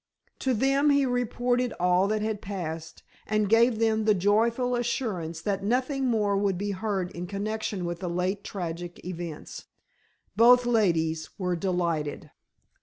To them he reported all that had passed and gave them the joyful assurance that nothing more would be heard in connection with the late tragic events. Both ladies were delighted.